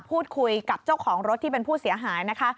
พูดคุยกับเจ้าของรถที่เป็นผู้เสียหายนะคะ